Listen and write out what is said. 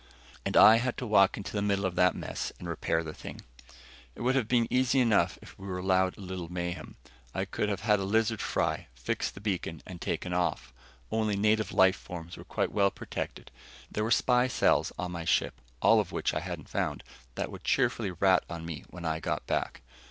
And I had to walk into the middle of that mess and repair the thing. It would have been easy enough if we were allowed a little mayhem. I could have had a lizard fry, fixed the beacon and taken off. Only "native life forms" were quite well protected. There were spy cells on my ship, all of which I hadn't found, that would cheerfully rat on me when I got back.